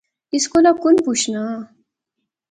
اس کولا کُن پچھنا